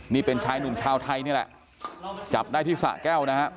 นี่เป็นชายหนุ่มชาวไทยนี่แหละจับได้ที่สะแก้วนะครับ